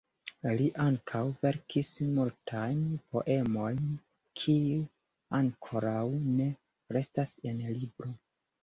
Li ankaŭ verkis multajn poemojn kiuj ankoraŭ ne restas en libro.